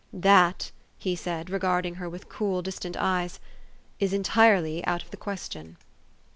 " That," he said, regarding her with cool, distant eyes, "is entirely out of the question."